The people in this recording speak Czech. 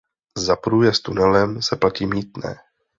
Za průjezd tunelem se platí mýtné.